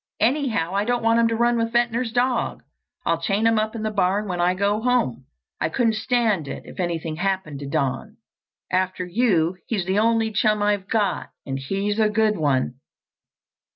Anyhow, I don't want him to run with Ventnor's dog. I'll chain him up in the barn when I go home. I couldn't stand it if anything happened to Don. After you, he's the only chum I've got—and he's a good one."